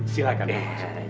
silahkan pak kusin